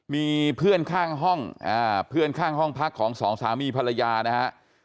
มีเพื่อนข้างห้องพักของสองสามีภรรยานะฮะ